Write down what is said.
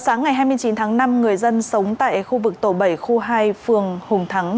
sáng ngày hai mươi chín tháng năm người dân sống tại khu vực tổ bảy khu hai phường hùng thắng